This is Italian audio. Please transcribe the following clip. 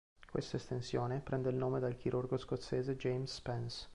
Questa estensione prende il nome dal chirurgo scozzese James Spence.